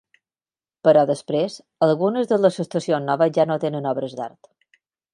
Però després, algunes de les estacions noves ja no tenen obres d'art.